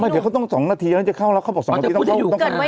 เดี๋ยวเขาต้อง๒นาทีแล้วจะเข้าแล้วเขาบอก๒นาทีต้องเข้าอยู่